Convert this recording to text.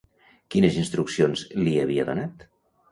Quines instruccions li havia donat?